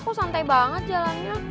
kok santai banget jalannya